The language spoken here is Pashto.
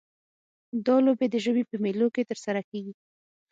دا لوبې د ژمي په میلوں کې ترسره کیږي